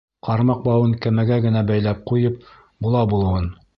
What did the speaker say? Ҡармаҡ бауын кәмәгә генә бәйләп ҡуйып була-булыуын.